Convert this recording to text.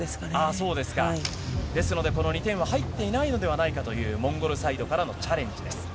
そうですか、ですので、この２点は入っていないのではないかという、モンゴルサイドからのチャレンジです。